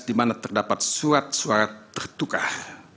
di mana terdapat surat suara tertukah